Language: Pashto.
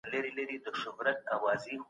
د پوهانو نظریې او اندونه په دې علم کي راټولیږي.